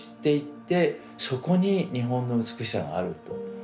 そこに日本の美しさがあると。